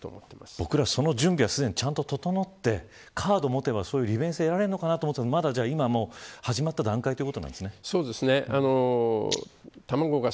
僕らその準備はちゃんと整ってカードを持てばそういう利便性が得れるのかなと思ったけど今始まった段階なんですね。